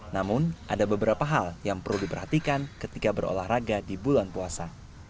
namun ada beberapa hal yang perlu diperhatikan ketika berolahraga di bulan puasa